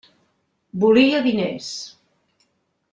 Volia diners!